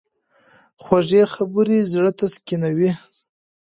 خوږې خبرې زړه تسکینوي.